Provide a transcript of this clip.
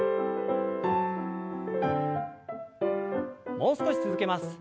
もう少し続けます。